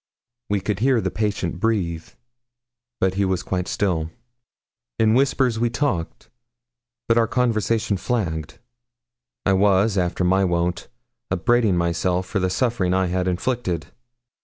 We could hear the patient breathe; but he was quite still. In whispers we talked; but our conversation flagged. I was, after my wont, upbraiding myself for the suffering I had inflicted.